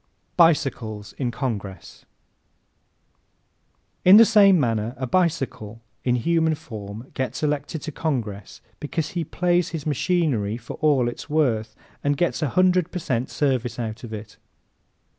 Bicycles in Congress ¶ In the same manner many a bicycle in human form gets elected to Congress because he plays his machinery for all it is worth and gets a hundred per cent service out of it.